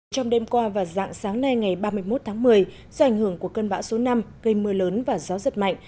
trong đêm qua và dạng sáng nay ngày ba mươi một tháng một mươi do ảnh hưởng của cơn bão số năm gây mưa lớn và gió giật mạnh